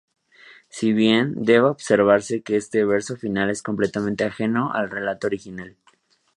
Si bien, debe observarse que este Verso final es completamente ajeno al relato original.